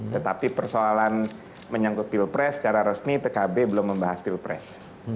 tetapi persoalan menyangkut pilpres secara resmi pkb belum membahas pilpres